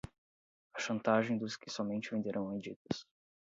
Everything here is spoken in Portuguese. A chantagem dos que somente venderão medidas